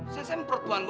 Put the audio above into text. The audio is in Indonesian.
saya sempur tuhan